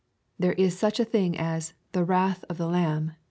There is such a thing as " the wrath of the Lamb."